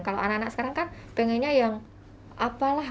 kalau anak anak sekarang kan pengennya yang apalah